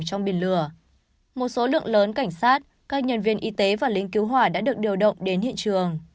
trong biển lửa một số lượng lớn cảnh sát các nhân viên y tế và lính cứu hỏa đã được điều động đến hiện trường